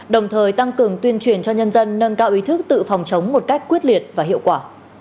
đồng thời tăng cường tuyên truyền cho nhân dân nâng cao ý thức tự phòng chống một cách quyết liệt và hiệu quả